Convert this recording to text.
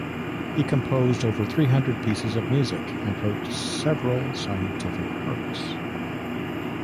He composed over three hundred pieces of music and wrote several scientific works.